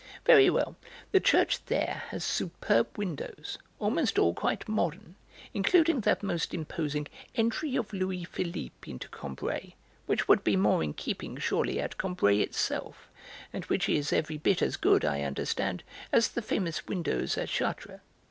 Very well; the church there has superb windows, almost all quite modern, including that most imposing 'Entry of Louis Philippe into Combray' which would be more in keeping, surely, at Combray itself, and which is every bit as good, I understand, as the famous windows at Chartres.